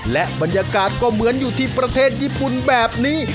และบรรยากาศก็เหมือนอยู่ที่ประเทศญี่ปุ่นแบบนี้